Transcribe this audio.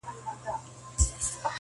په سندرو په غزل په ترانو کي-